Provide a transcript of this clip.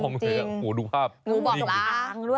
งูบ่องลา